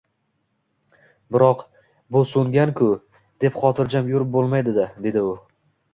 Biroq, bu so‘ngan-ku, deb xotiijam yurib bo‘lmaydi-da, dedi u.